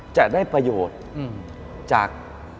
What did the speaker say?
จะได้ประโยชน์จาก